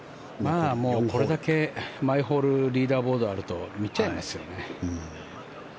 これだけ毎ホールリーダーボードがあると見ちゃいますよね。